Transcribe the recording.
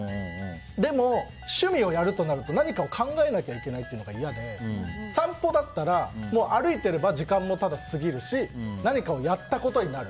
でも、趣味をやるとなると何かを考えなきゃいけないのが嫌で散歩だったら歩いてれば時間もただ過ぎるし何かをやったことになる。